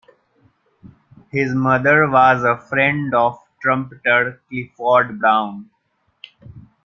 His mother was a friend of trumpeter Clifford Brown.